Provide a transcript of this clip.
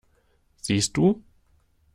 Siehst du?